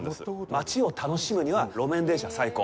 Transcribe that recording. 町を楽しむには、路面電車、最高！